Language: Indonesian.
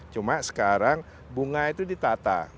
cuma sekarang bunga itu ditata